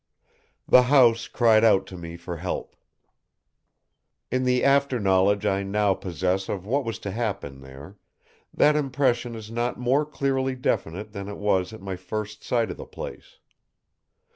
The house cried out to me for help. In the after knowledge I now possess of what was to happen there, that impression is not more clearly definite than it was at my first sight of the place.